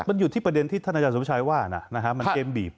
มันอยู่ที่ประเด็นที่ท่านอาจารย์สมชัยว่ามันเกมบีบ